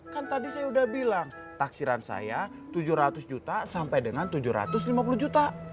kan tadi saya sudah bilang taksiran saya tujuh ratus juta sampai dengan tujuh ratus lima puluh juta